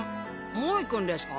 もう行くんですか？